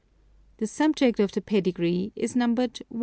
The Subject of the pedigree is numbered i.